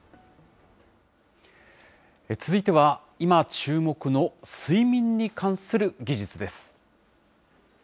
続いては今、注目の睡眠に関する技術です。